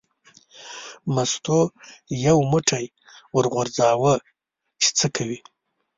مستو یو پوټی ور وغورځاوه چې څه کوي.